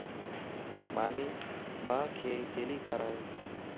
مانک جيلي کارائي